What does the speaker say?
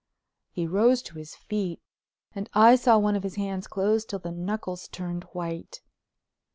He rose to his feet and I saw one of his hands close till the knuckles turned white.